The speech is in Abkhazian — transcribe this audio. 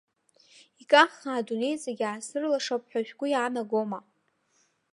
Икаххаа адунеи зегь аасырлашап ҳәа шәгәы иаанагома?!